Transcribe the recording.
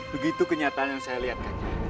begitu kenyataan yang saya lihatkan